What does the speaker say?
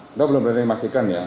kita belum berani memastikan ya